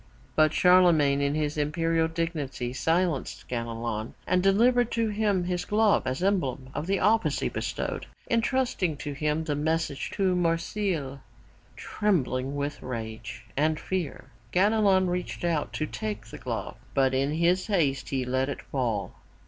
But Charlemagne, in his imperial dignity, silenced Ganelon, and delivered to him his glove as emblem of the office he bestowed, entrusting to him the message to Marsile. Trembling with rage and fear Ganelon reached out to take the glove, but in his haste he let it fall.